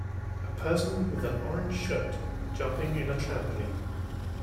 A person with an orange shirt jumping in a trampoline